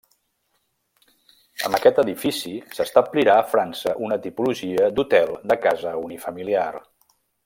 Amb aquest edifici s'establirà a França una tipologia d'hotel de casa unifamiliar.